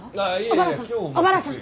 小原さん小原さん。